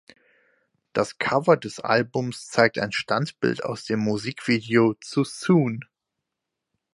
Das Cover des Albums zeigt ein Standbild aus dem Musikvideo zu "Soon".